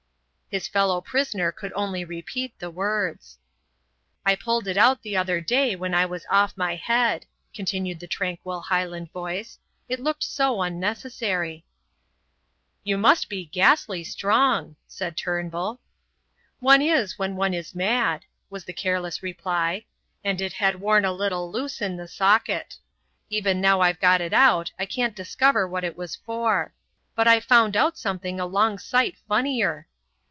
His fellow prisoner could only repeat the words. "I pulled it out the other day when I was off my head," continued the tranquil Highland voice. "It looked so unnecessary." "You must be ghastly strong," said Turnbull. "One is, when one is mad," was the careless reply, "and it had worn a little loose in the socket. Even now I've got it out I can't discover what it was for. But I've found out something a long sight funnier."